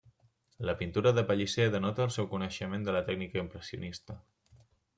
La pintura de Pellicer denota el seu coneixement de la tècnica impressionista.